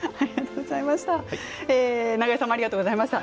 永江さんありがとうございました。